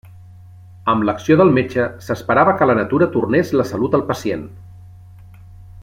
Amb l'acció del metge, s'esperava que la natura tornés la salut al pacient.